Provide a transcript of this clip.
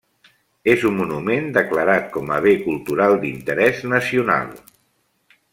És un monument declarat com a bé cultural d'interès nacional.